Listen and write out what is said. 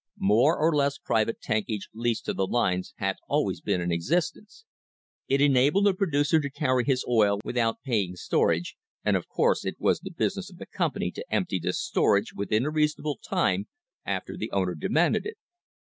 More or less private tankage leased to the lines had always been in existence. It enabled a producer to carry his oil without paying storage, and, of course, it was the business of the company to empty this stor age within a reasonable time after the owner demanded it.